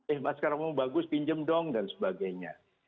eh masker kamu bagus pinjem dong dan sebagainya